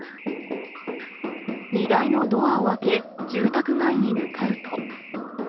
荷台のドアを開け、住宅街に向かうと。